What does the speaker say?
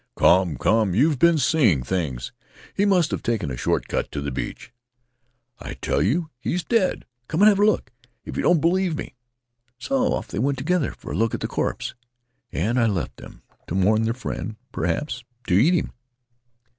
"Come, come — you've been seeing things; he must have taken a short cut to the beach." "I tell you he's dead; come and have a look if you don't believe me." So off they went together for a look at the corpse, and I left them to mourn their friend — perhaps to eat him.